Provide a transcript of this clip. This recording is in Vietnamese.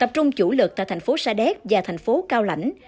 tập trung chủ lực tại thành phố sa đéc và thành phố cao lãnh